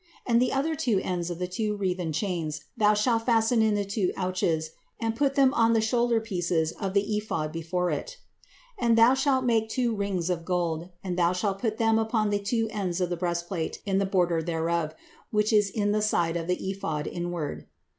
And the other two ends of the two wreathen chains thou shalt fasten in the two ouches, and put them on the shoulder pieces of the ephod before it. And thou shalt make two rings of gold, and thou shalt put them upon the two ends of the breastplate in the border thereof, which is in the side of the ephod inward.